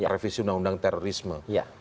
revisi undang undang terorisme